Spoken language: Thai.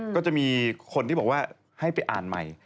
ก็จะมีคนที่บอกว่าให้ไปอ่านใหม่